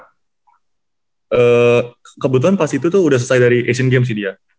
kebetulan pas itu tuh udah selesai dari asian games sih dia